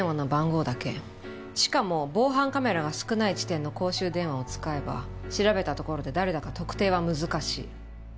しかも防犯カメラが少ない地点の公衆電話を使えば調べたところで誰だか特定は難しい。